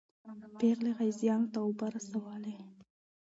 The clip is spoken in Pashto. پېغلې غازیانو ته اوبه رسولې.